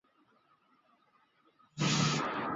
迈阿密都会区位于佛罗里达州南部。